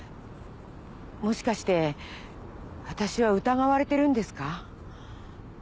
もしかして私は疑われてるんですか？